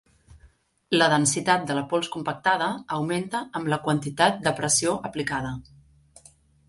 La densitat de la pols compactada augmenta amb la quantitat de pressió aplicada.